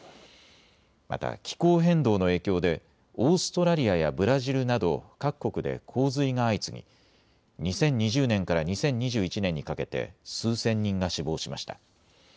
また気候変動の影響でオーストラリアやブラジルなど各国で洪水が相次ぎ２０２０年から２０２１年にかけて数千人が死亡しました。